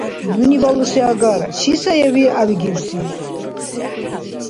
— Нуни балуси агара. Чи сая виргӏявиргибси?